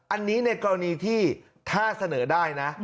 อันนี้ในกรณีที่ถ้าเสนอได้นะ